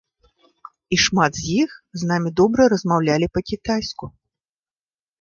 І шмат з іх з нам добра размаўлялі па-кітайску.